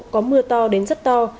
có mưa to đến rất to